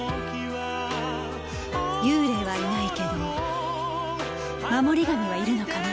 幽霊はいないけど守り神はいるのかも。